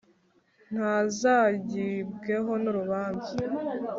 ntazagibweho n'urubanza